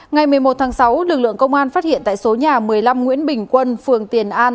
ngày một mươi một tháng sáu lực lượng công an phát hiện tại số nhà một mươi năm nguyễn bình quân phường tiền an